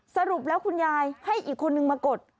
สรุปแล้วคุณยายให้อีกคนนึงมากด